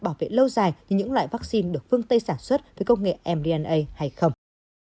bảo vệ lâu dài như những loại vaccine được phương tây sản xuất với công nghệ mna hay không